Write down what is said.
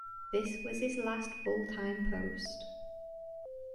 This was his last full-time post.